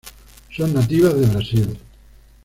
Son nativas de Brasil.